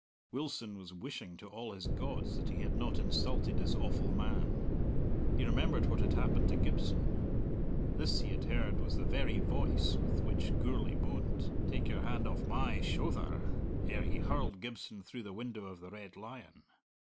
Wilson was wishing to all his gods that he had not insulted this awful man. He remembered what had happened to Gibson. This, he had heard, was the very voice with which Gourlay moaned, "Take your hand off my shouther!" ere he hurled Gibson through the window of the Red Lion.